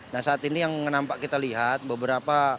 nah saat ini yang nampak kita lihat beberapa